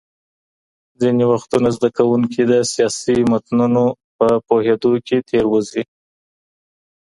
ځينې وختونه زده کوونکي د سياسي متنونو په پوهېدو کي تېروځي.